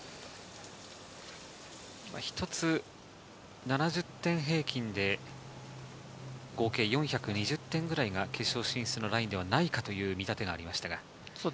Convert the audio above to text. １つ７０点平均で合計４２０点くらいが決勝進出のラインではないかという見立てがありました。